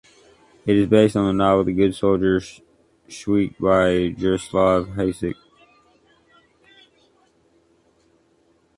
It is based on the novel "The Good Soldier Schweik" by Jaroslav Hasek.